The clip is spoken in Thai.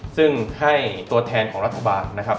ซึ่งให้ตัวแทนของรัฐบาลนะครับ